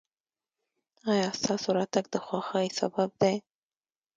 ایا ستاسو راتګ د خوښۍ سبب دی؟